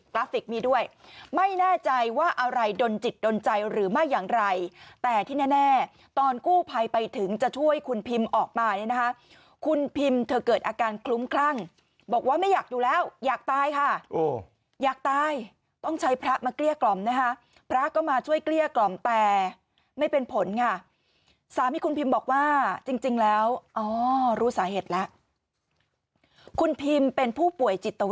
ราฟิกมีด้วยไม่แน่ใจว่าอะไรดนจิตดนใจหรือไม่อย่างไรแต่ที่แน่ตอนกู้ภัยไปถึงจะช่วยคุณพิมออกมาเนี่ยนะคะคุณพิมเธอเกิดอาการคลุ้มคลั่งบอกว่าไม่อยากอยู่แล้วอยากตายค่ะอยากตายต้องใช้พระมาเกลี้ยกล่อมนะคะพระก็มาช่วยเกลี้ยกล่อมแต่ไม่เป็นผลค่ะสามีคุณพิมบอกว่าจริงแล้วอ๋อรู้สาเหตุแล้วคุณพิมเป็นผู้ป่วยจิต